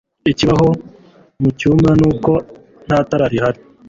ikibaho mu cyumba nuko ntatara rhari